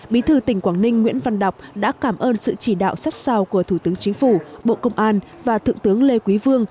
bí thư tỉnh quảng ninh nguyễn văn đọc đã cảm ơn sự chỉ đạo sát sao của thủ tướng chính phủ bộ công an và thượng tướng lê quý vương